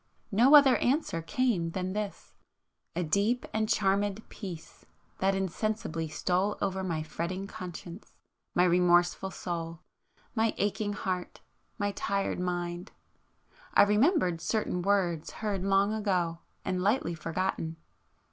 No other answer came than this, ... a deep and charmëd peace, that insensibly stole over my fretting conscience, my remorseful soul, my aching heart, my tired mind. I remembered certain words heard long ago, and lightly forgotten.